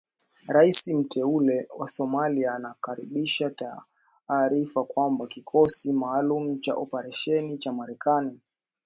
Raisi mteule wa Somalia anakaribisha taarifa kwamba kikosi maalumu cha operesheni cha Marekani